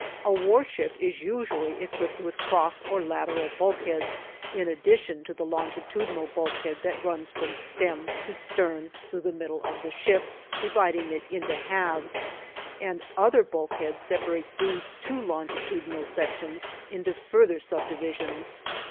A warship is usually equipped with cross or lateral bulkheads, in addition to the longitudinal bulkhead that runs from stem to stern through the middle of the ship, dividing it into halves, and other bulkheads separate these two longitudinal sections into further subdivisions.